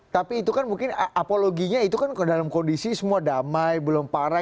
tapi itu kan mungkin apologinya itu kan dalam kondisi semua damai belum parah